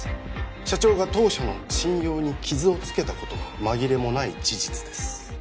社長が当社の信用に傷をつけたことは紛れもない事実です